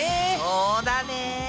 そうだね。